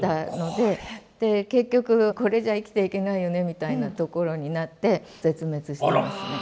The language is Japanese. で結局これじゃ生きていけないよねみたいなところになって絶滅してますね。